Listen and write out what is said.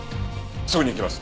すぐに行きます。